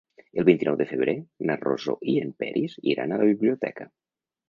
El vint-i-nou de febrer na Rosó i en Peris iran a la biblioteca.